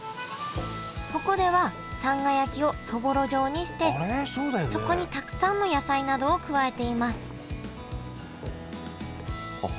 ここではさんが焼きをそぼろ状にしてそこにたくさんの野菜などを加えていますあっ